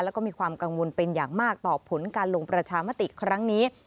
แล้วก็มีความกังวลเป็นอย่างมากต่อผลการลงประชามติครั้งนี้